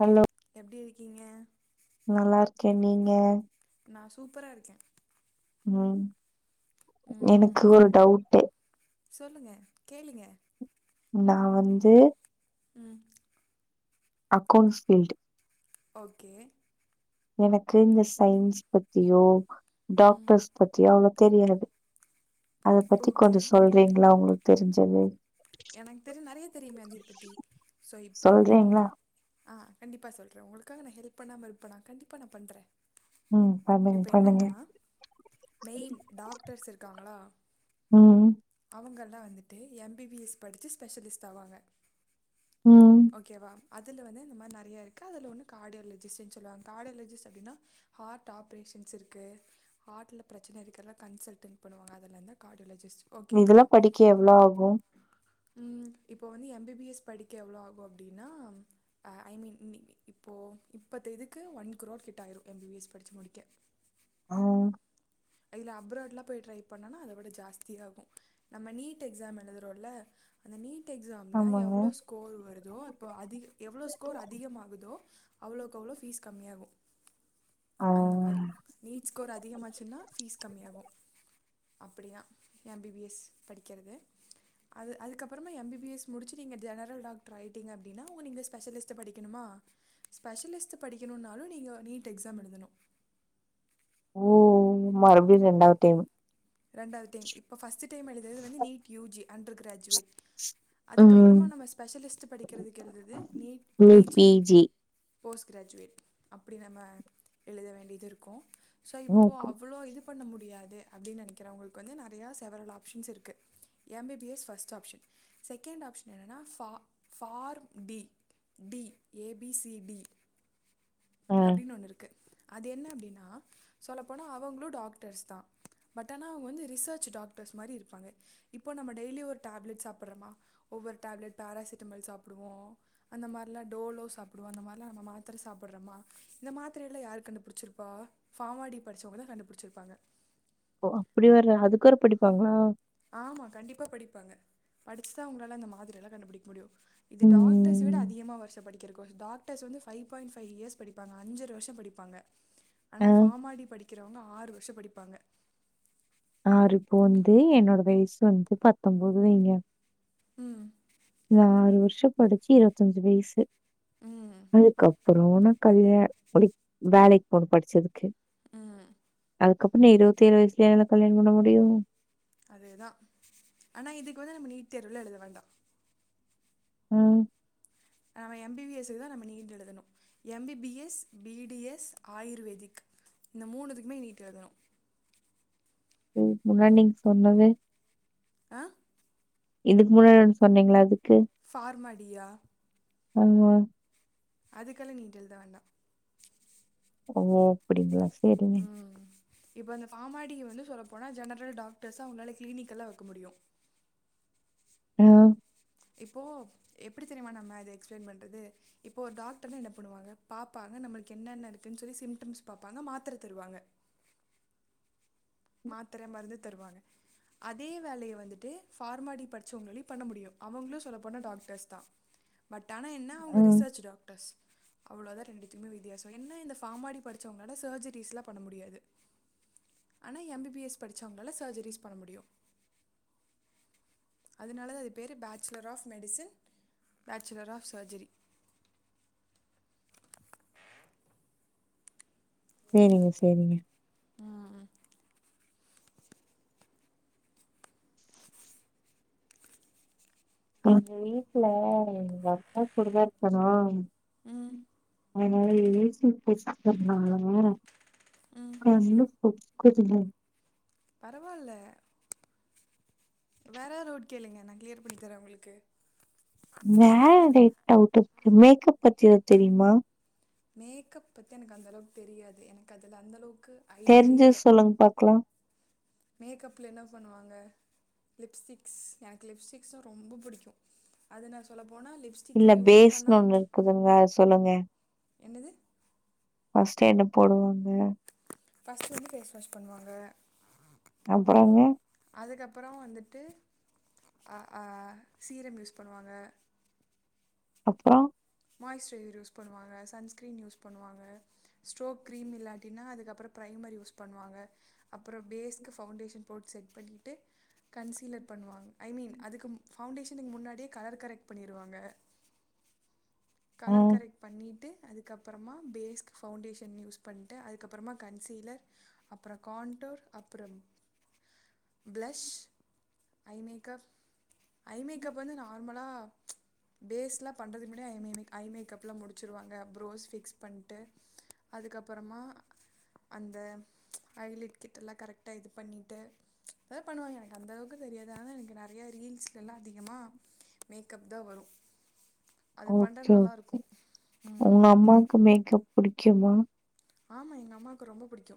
Hello எப்டி இருக்கீங்க நல்லா இருக்கே நீங்க நா சூப்பரா இருக்கே ம் ம்ஹும் எனக்கு ஒரு டவுட்டு சொல்லுங்க கேளுங்க நா வந்து ம் அக்கௌண்ட்ஸ் ஃபீல்டு ஓகே எனக்கு இந்த சயின்ஸ் பத்தியோ ம் டாக்டர்ஸ் பத்தியோ அவ்ளோக் தெரியாது அத பத்தி ஓகே கொஞ்ச சொல்றீங்ளா உங்களுக்கு தெரிஞ்சது எனக்கு தெரியு நெறைய தெரியுமே அதயுபத்தி சோ இப்போ சொல்றீங்களா ஆ கண்டிப்பா சொல்றே உங்களுக்காக நா ஹெல்ப் பண்ணாம இருப்பனா கண்டிப்பா நா பண்றே ம் பண்ணுங்க இப்ப பண்ணுங்க என்னன்னா மெயின் டாக்டர்ஸ் இருக்காங்களா ம் அவுங்கள் தா வந்துட்டு எம் பி பி எஸ் படிச்சு ஸ்பெஷலிஸ்ட் ஆவாங்க ம் ஓகேவா அதுல வந்து இந்த மாரி நெறையா இருக்கு அதுல ஒன்னு கார்டியாலஜிஸ்டுன் சொல்லுவாங்க கார்டியாலஜிஸ்ட் அப்டினா ஹார்ட் ஆப்ரேஷன் ஸ் இருக்கு ஹார்ட்ல பிரச்சன இருக்கிறலா கன்சல்ட்டிங் பண்ணுவாங்க அதுல இருந்து கார்ட் இதுலா படிக்க எவ்ளோ ஆகு ம் இப்போ வந்து எ பி பி எஸ் படிக்க எவ்ளோ ஆகு அப்டினா அ ஐ மீன் இன்னக் இப்போ போ இப்பத் தேதிக்கு ஒன் க்ரோர் கிட்ட ஆய்ரு எம் பி பி எஸ் படிச்சு முடிக்க ஆ இதுல அப்ராட்லா போய் ட்ரை பண்ணோனா அத விட ஜாஸ்திய ஆகு நம்ம நீட் எக்ஸாம் எழுதுறோல அ நீட் ட் எக்ஸாம்ல ஆமாங்க எவ்ளோ ஸ்கோரு வருதோ அப்போ அதிக எவ்ளோ ஸ்கோர் அதிகமாகுதோ அவ்ளோக்கவ் வ்ளோ ஃபீஸ் கம்மியாகு ஆ அந்த மாரி நீட் ஸ்கோர் அதிகமாச்சுனா கம்மியாகு அப்டிதா எம் பி பி எஸ் படிக்கிறது அது அதுக்கப்பறமா எம் பி பி எஸ் முடிச்சு நீங்க ஜெனரல் டாக்ட்ராய்டீங்க அப்டினா உங்க நீங்க ஸ்பெஷலிஸ்ட்டு படிக்கணுமா ஆ ஸ்பெஷலிஸ்ட்டு படிக்கணுனாலு நீங்க நீட் எக்ஸாம் எழுதனு ஓ மறுபடியு ரெண்டாவ்து டைம் ரெண்டாவ்து டைம் இப்ப ஃபஸ்ட்டு டைம் எழுதுறது வந்து NEET U G undergraduate ம் அதுக்கப்பறமா நம்ம ஸ்பெஷலிஸ்ட்டு படிக்கிறதுக்கு எழுதுது NEET P G post graduate அப்டி நம்ம எழுத வேண்டியது இருக்கு ஸோ ம் இப்போ அவ்ளோ இது பண்ண முடியாது அப்டின் நெனைக் றவ்ங்களுக்கு வந்து நெறையா செவரல் ஆப்ஷன்ஸ் இருக்கு M B B S first option second option என்னன்னா ஃபா form D D A B C D அப்டினு ஒன்னுருக்கு அதென்ன அப்டின்னா சொல்லப்போனா அவங்களு டாக்டர்ஸ் தா பட் ஆனா அவுங் வந்து ரிசர்ச் டாக்டர் ஸ் மாரி இருப்பாங்க இப்போ நம்ம டெய்லி ஒரு டேப்லெட் சாப்பட்றமா ஒவ்வொரு டேப்லெட் பேராசிட்டமல் சாப்புடு வோ அந்த மார்லா டோலோ சாப்புடுவோ அந்த மார்லா நம் மாத்தர சாப்பட்றமா இந்த மாத்தரையல்ல யாரு கண்டுபுடிச்சிருப்பா ஃபாமாடி படிச்சவங்க தா கண்டுபுடிச்சிருப்பாங்க ஓ அப்டி வேற அதுக் வேற படிப்பாங்ளா ஆமா கண்டிப்பா படிப்பாங்க படிச்சு தா அவங்களால அந்த மாதிரியெல்லா கண்டுபுடிக் முடியு இது டாக்டர்ஸ் விட ம். அதிகமா வர்ஷோ படிக்கறக்கு [unintelligible] டாக்டர்ஸ் வந்து ஃபை பாயிண்ட் ஃபை இயர்ஸ் படிப்பாங்க அஞ்சர வர்ஷோ படிப்பாங்க அ ஆனா ஃபாமாடி படிக் கிறவங்க ஆறு வர்ஷோ படிப்பாங்க ஆறு இப்போ வந்து என்னோட வயஸ் வந்து பத்தம்போது வைங்க ம் நா ஆறு வர்ஷோ படிச்சு இருவத்தஞ்சு வயசு ம் அதுக்கப்பறோ கல்யா ஒரு வேலைக் போனு படிச்சதுக்கு ம் அதுக்கப்றோ நா இருவத்தேழு வயசுலயா நா கல்யாண் பண்ண முடியு அதே தா ஆனா இதுக் வந்து நம்ம நீட் தேர்வுலா எழுத வேண்டா ம் நாம எம் பி பி எஸ் க்கு தா நம்ம நீட் எழுதனு M B B S, B D S, ayurvedic இந்த மூனுதுக்குமே நீட் எழுதனு இதுக் முன்னாடி நீங் சொன்னது ஆ இதுக் முன்னாடி ஒன் சொன்னீங்கல்ல அது ஃபார்மாடியா ஆமா அதுக்கெல்லா நீட் எழுத வேண்டா ஓ அப்டிங்ளா செரிங்க இப்ப அந்த ஃபாமாடி வந்து சொல்லப்போனா ஜெனரல் டாக்டர்ஸா உங்களால கிளினிக் எல்லா வெக்க முடியு ம் இப்போ எப்டி தெரியுமா நம்ம இது எக்ஸ்பிளைன் பண்றது இப்போ ஒரு டாக்டர்னா என்ன பண்ணுவாங்க பாப்பாங்க நம்மளுக் என்னென்ன இருக்குன் சொல்லி சிம்டம்ஸ் பாப்பாங்க மாத்தர தருவாங்க மாத்தர, மருந்து தருவாங்க அதே வேலைய வந்துட்டு ஃபார்மாடி படிச்சவங்ளாலி பண்ண முடியு அவங்களு சொல்ல போன டாக்டர்ஸ் தா பட் ஆனா என்ன ஆ. அவுங்க ரிசர்ச் டாக்டர்ஸ் அவ்ளோதா ரெண்டுத்துக்மே வித்தியாசோ என்ன இந்த ஃபாமாடி படிச்சவங்களால சர்ஜரிஸ்ல்லா பண்ண முடியாது ஆனா எம் பி பி எஸ் படிச்சவங்களால சர்ஜரிஸ் பண்ண முடியு அதுனால தா அது பேரு bachelor of medicine, bachelor of surgery [inaudible] சேரிங்க சேரிங்க ம் ம் அது எங்க வீட்ல எங்கப்பா கூட தா இருக்கனா ம் அதுனால [inaudible] ஆகனு ம் காஸ்மெட் [inaudible] க்காதுல்ல பரவால்ல வேற ரூட் கேளுங்க நா கிளியர் பண்ணி தர உங்களுக்கு வேற ரேட் அவுட் இருக்கு மேக்கப் பத்தி எதாது தெரியுமா மேக்கப் பத்தி எனக்கு அந்தளவுக் தெரியாது எனக் அதுல அந்தளவுக் தெரிஞ்சது சொல்லுங் பாக்லா மேக்கப்ல என்ன பண்ணுவாங்க லிப்ஸ்டிக்ஸ் எனக்கு லிப்ஸ்டிக்ஸ ரொம்போ புடிக்கு அது நா சொல்ல போ இல்ல பேஸ்னு ஒண்ணு இருக்குதுங்க சொல்லுங்க என்னது ஃபர்ஸ்ட் என்ன போடுவாங்க ஃபர்ஸ்ட் வந்து ஃபேஸ் வாஷ் பண்ணுவாங்க அப்புறங்க அதுக்கப்புறோ வந்துட்டு ஹ் ஹ் சீரம் யூஸ் பண்ணுவாங்க அப்புறோ மாய்ஸ்சுரைஸர் யூஸ் பண்ணுவாங்க சன்ஸ்கிரீன் யூஸ் பண்ணுவாங்க ஸ்ட்ரோக் கிரீம் இல்லாட்டினா அதுக்கப்புறோ ப்ரைம் மாரி யூஸ் பண்ணுவாங்க அப்புறோ பேஸ்க்கு ஃபவுண்டேஷன் போர்டு செட் பண்ணிட்டு கன்சீலர் பண்ணுவாங்க ஐ மீன் அதுக்கு ஃபவுண்டேஷனுக்கு முன்னாடி கலர் கரெக்ட் பண்ணிடுவாங்க ஆ கலர் கரெக்ட் பண்ணிட்டு அதுக்கப்புறமா பேஸ்க் ஃபவுண்டேஷன் யூஸ் பண்ணிட்டு அதுக்கப்புறமா கன்சீலர் அப்பறொ கான் ஃப்ளோர் அப்புறம் blush eye makeup eye makeup வந்து நார்மலா பேஸ்ல பண்றதுக்கு முன்னாடி ஐ மெமெ ஐ மேக்கப்பெல்லா முடிச்சுருவாங்க ப்ரோஸ் ஃபிக்ஸ் பண்ட்டு அதுக்கப்பறமா அந்த ஐ லைக் கிட்டெல்லா கரெக்டா இது பண்ணிட்டு அதெல்லா பண்ணுவாங்க எனக்கு அந்த அளவுக்கு தெரியாது ஆனா எனக்கு நெறயா ரீல்ஸ்ல எல்லா அதிகமா மேக்கப்தா வரு [unintelligible] உங்க ம் அம்மாக்கு மேக்கப் புடிக்குமா ஆமா எங்க அம்மாக்கு ரொம்ப புடிக்கு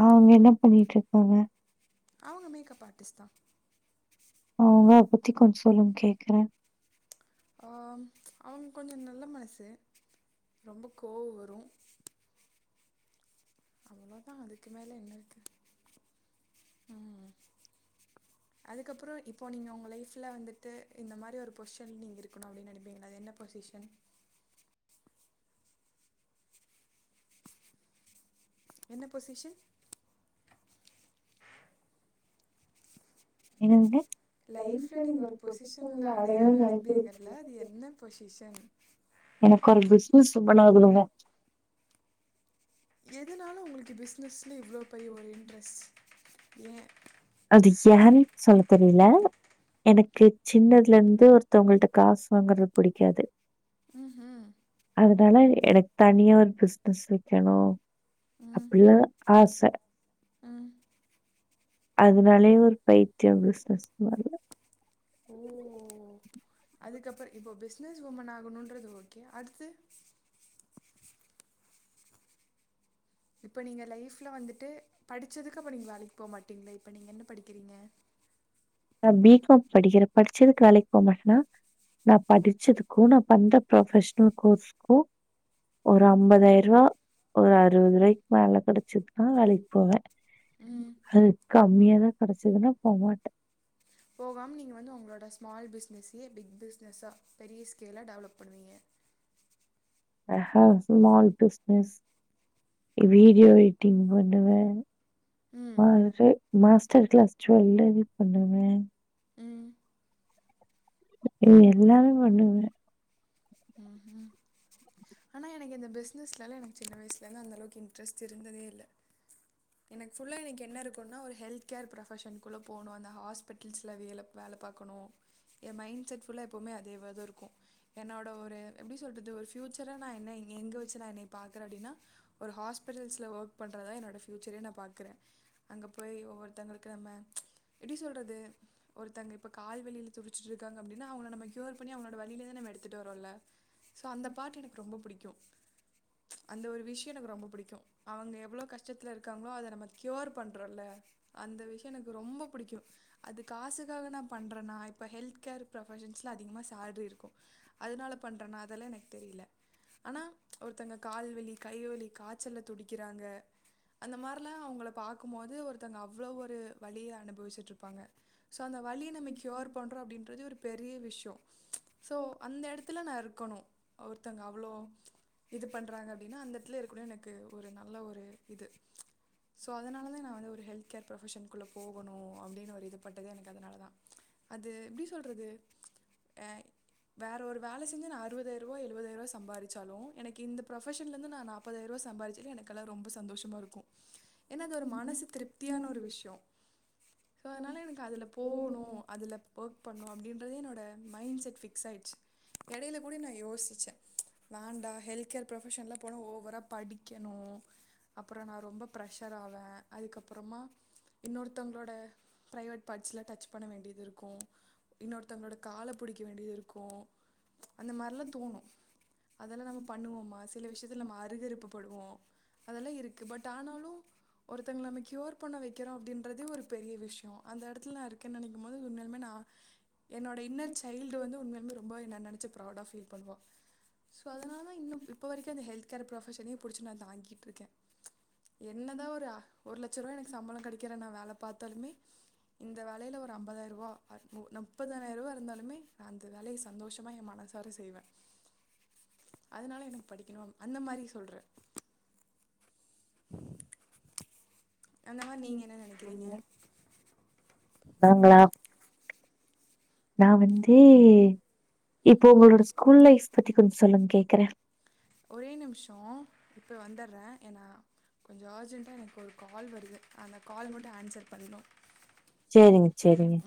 அவுங்க என்ன பண்ணிட்டு இருக்காங்க அவுங்க மேக்கப் ஆர்ட்டிஸ்ட்தா அவுங்க அத பத்தி கொஞ்சோ சொல்லுங்க கேக்குறே ஆ அவுங்க கொஞ்சோ நல்ல மனசு ரொம்போ கோவோ வரு அவ்ளவுதா அதுக்கு மேல என்ன இருக்கு ம் [inaudible] அதுக்கப்புறோ இப்போ நீங்க உங்க லைஃப்ல வந்துட்டு இந்த மாரி ஒரு பொசிஷன் நீங்க இருக்கணு அப்டினு நெனப்பீங்கல்ல அது என்ன பொசி ஷன் என்ன பொசிஷன் என்னதுங்க லைஃப்ல நீங்க ஒரு பொசிஷன்ல அடையணுனு நெனப்பீங்கல்ல அது என்ன பொசிஷன் எனக்கு ஒரு பிசினஸ் உமன் ஆகனுங்க எதுனால உங்களுக்கு பிசினஸ்ல இவ்ளோ பெரிய ஒரு இன்ட்ரெஸ் ஏ அது ஏனு சொல்லத் தெரியல எனக்கு சின்னதுலருந்து ஒருத்தவங்கள்ட்ட காசு வாங்கறது புடிக்காது ம்ஹூம் அதனால எனக்கு தனியா ஒரு பிசினஸ் வெக்கணு ம் அப்டிலா ஆச ம் அதனாலயே ஒரு பைத்தியோ பிசினஸ் மேல அதுக்கப்றோ இப்போ பிசினஸ் உமன் ஆகணுன்றது ஓகே அடுத்து [inaudible] இப்ப நீங்க லைஃப்ல வந்துட்டு படிச்சதுக்கு அப்ப நீங்க வேலைக்கு போமாட்டீங்ளா இப்ப நீங்க என்ன படிக்கிறீங்க [inaudible] நா பி காம் படிக்கிறே படிச்சதுக்கு வேலைக்கு போ மாட்னா நா படிச்சதுக்கு நா பண்ற ப்ரொபஷனல் கோர்ஸ்க்கு ஒரு அம்பதாயிருவா ஒரு அறுவதுருவாய்க்கு மேல கெடைச்சிதுனா வேலைக்கு போவே ம் அது கம்மியாதா கெடச்சுதுனா போமாட்டே போகாம் நீங்க வந்து உங்ளோட ஸ்மால் பிஸ்னஸ்யே பிக் பிஸ்னஸா பெரிய ஸ்கேலா டெவலப் பண்ணுவீங்க [inaudible] அ அ சுமால் பிஸ்னஸ் வீடியோ எடிட்டிங் பண்ணுவே ம் [unintelligible] மாஸ்டர் க்ளாஸ் ஜூவல்லரி பண்ணுவே ம் ம் எல்லாமே பண்ணுவே ம் ம் ஆனா எனக்கு இந்த பிஸ்னஸ்னாலே எனக் சின்ன வய்ஸலைந்து அந்தளவுக்கு இன்ட்ரெஸ்ட் இருந்ததேயில்ல எனக் ஃபுல்லா எனக் என்னருக்குன்னா ஒரு ஹெல்த் கேர் ப்ரொபஷன்க்குள்ள போனு அந்த ஹாஸ்பிட்டில்ஸ்ல வேல வேல பாக்கணு எ மைண் செட் ஃபுல்ல எப்போவ்மே அதேவதுருக்கு என்னோட ஒரு எ எப்டி சொல்றது ஒரு ஃப்யூச்சரா நா என்ன எங்க வெச்சி நா என்னய பாக்கற அப்டினா ஒரு ஹாஸ்பிட்டில்ஸ்ல ஒக் பண்றததா என்னோட ஃப்யூச்சரே நா பாக்குறே அங்க போய் ஒவ்வொருத்தங்களுக்கு நம்ம எப்டி சொல்றது ஒருத்தங் இப்ப கால்வலியில துடிச்சிட்ருக்காங்கப்டின்னா அவுங்கள நம்ம க்யூர் பண்ணி அவுங்ளோட வலில நம எடுத்துட்டு வரோல சோ அந்த பார்ட் எனக் ரொம்ப புடிக்கு கு அந்த ஒரு விஷ்யோ எனக் ரொம்ப புடிக்கு அவங்க எவ்ளோ கஷ் ஷ்டத்ல இருக்காங்ளோ அத நம்ம க்யோரு பண்றோல அந்த விஷ்ய எனக்கு ரொம்போ புடிக்கு அதுக் காசுக்காக நா பண்றன்னா இப்ப ஹெல்த் கேர் ப்ரொபஷன்ஸ்ல அதிகமாக சேல்ரி இருக்கு அதனால பண்றே நா அதலா எனக் தெரியில ஆனா ஒருத்தங்க கால்வலி கைவலி காச்சல்ல துடிக்கிறாங்க அந்த மாரில்லா அவுங்கள பாக்குமோது ஒருத்தங்க அவ்ளோ ஒரு வலிய அனுபவிச்சுட்ருப்பாங்க ஸோ அந்த வலிய நம்ம கியூர் பண்றோ அப்டின்றது ஒரு பெரிய விஷ்யோ சோ அந்த எடத்துல நா இருக்கனு ஒருத்தங்க அவ்ளோ இது பண்றாங்க அப்டினா அந்த எட்த்ல இருக்கனு எனக்கு ஒரு நல்ல ஒரு இது ஸோ அதனால தா நா வந்து ஒரு ஹெல்த் கேர் ப்ரொபஷன்க்குள்ளே போகனு அப்டினு ஒரு இதுப்பட்டது எனக்கு அதனால தா அது எப்டி சொல்றது அ வேற ஒரு வேல செஞ்சு நா அறுவதாயிரூவா எழுவதாயிர்வா சம்பாரிச்சாலு எனக்கு இந்த ப்ரொஃபஷன்லந்து நா நாப்பதாயிரோ ருவா சம்பாரிச்சாலே எனக்கலா ரொம்ப சந்தோஷமாருக் ஏனா அது ஒரு மனசு திருப்தியான ஒரு விஷ்யோ சோ அதனால எனக்கு அதுல போவனோ அதுல ஒக் பண்ணோ அப்டின்றதே என்னோட மைண் செட் ஃபிக்ஸாய்ச் எடயில கூட நா யோசிச்ச வேண்டா ஹெல்த் கேர் புரொஃபஷன்ல போனா ஓவரா படிக்க னு அப்புற நா ரொம்ப ப்ரெஷர் ஆவே அதுக்கப்புறமா இன்னொருத்தவ்ங்ளோட பிரைவேட் பாட்ஸ்ல டச் பண்ண வேண்டியதுருக்கு இன்னொருத்தவ்ங்களோட கால புடிக்க வேண்டி இருக்கு அந்த மார்லா தோனு அதெல்லா நம்ம பண்ணுவோமா சில விஷ்யத்துல் நம்ம அருகறுப்புப்படுவோ அதெல்லா இருக் பட் ஆனாலு ஒருத்தவ்ங் நம்ம க்யூர் பண்ண வெக் கிறோ அப்டின்றதே ஒரு பெரிய விஷ்யோ அந்த எடத்ல நா இருக்கேன் நெனைக்குமோது உண்மயால்மே நா என்னோட இன்னர் சைல்டு வந்து உண்மையால்மே ரொம்ப என்ன நெனச்சு ப்ரௌடா ஃபீல் பண்ணுவா ஸோ அதனால இன்னும் இப்போ வரைக்கு இந்த ஹெல்த் கேர் ப்ரொஃபஷனே புடிச்சு நா தாங்கிட்ருக்கே என்னதா ஒரு அ ஒரு லட்சருவா எனக் சம்பளோ கெடைக்கிற நா வேல பாத்தாலுமே இந்த வேலையில ஒரு ஐம்பதாயிருவா அ மு நம் முப்பதாயிர ரூவா ருந்தாலுமே நா அந்த வேலய சந்தோஷமா எ மனசார செய்வே அதனால எனக் படிக்கணும் அந்த மாரி சொல்றே அந்த மார் நீங்க என்ன நெனைக்கிறீங்க [inaudible] நா வந்து இப்போ உங்களோட ஸ்கூல் லைஃப் பத்தி கொஞ் சொல்லுங்க கே க்கறே ஒரே நிம்ஷோ இப்ப வந்தற்றே ஏனா கொஞ்சோ அர்ஜென்ட்டா எனக்கொரு கால் வருது அந்த கால் மட்டு ஆன்சர் பண்ணோ செரிங்க செரிங்க